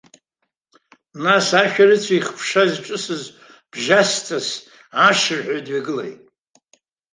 Нас, ашәарыцаҩ ихԥша зҿасыз бжьасҵас, ашырҳәа дҩагылеит.